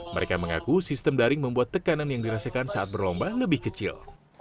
mereka mengaku sistem daring membuat tekanan yang dirasakan saat berlomba lebih kecil